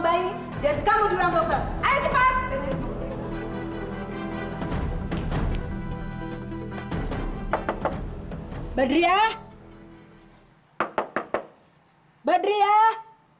bayi dan kamu di ruang koko ayo cepat badriyah badriyah